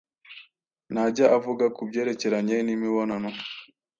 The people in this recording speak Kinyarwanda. Ntajya avuga ku byerekeranye n’imibonano